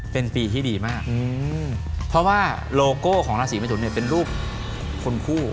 เป็นปีที่ดีมากเพราะว่าโลโก้ของราศีเมทุนเนี่ยเป็นรูปคนคู่